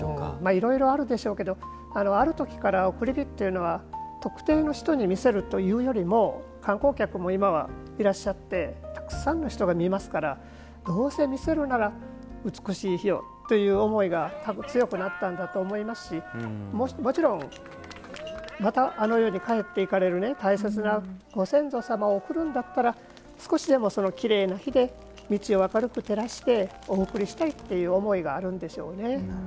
いろいろあるでしょうけどある時から送り火っていうのは特定の人に見せるというよりも観光客も今はいらっしゃってたくさんの人が見ますからどうせ見せるなら美しい火をという思いが多分強くなったんだと思いますしもちろん、またあの世に帰っていかれる大切なご先祖様を送るんだったら少しでも、きれいな火で道を明るく照らしてお送りしたいという思いがあるんでしょうね。